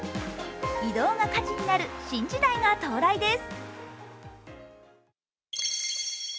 移動が価値になる新時代が到来です。